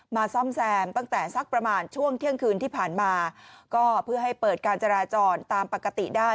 ซ่อมแซมตั้งแต่สักประมาณช่วงเที่ยงคืนที่ผ่านมาก็เพื่อให้เปิดการจราจรตามปกติได้